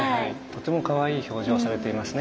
とてもかわいい表情されていますね。